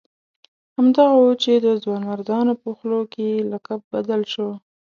همدغه وو چې د ځوانمردانو په خولو کې یې لقب بدل شو.